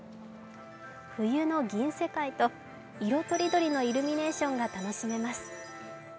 冬の銀世界と、色とりどりのイルミネーションが楽しめます。